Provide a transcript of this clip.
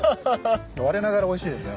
われながらおいしいですね。